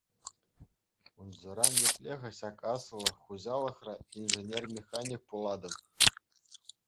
Унсӑрӑн епле-ха ҫак аслӑ хуҫалӑхра инженер-механик пулатӑн?